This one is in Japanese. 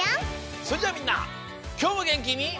それじゃあみんなきょうもげんきに。